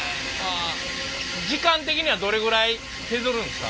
時間的にはどれぐらい削るんですか？